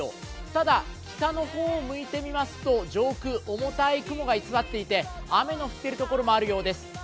ただ北の方向いてみますと上空重たい雲が居座っていて雨の降っているところもあるようです。